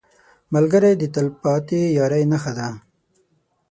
ملګری د تلپاتې یارۍ نښه ده